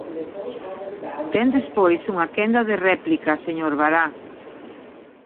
Ten despois unha quenda de réplica, señor Bará.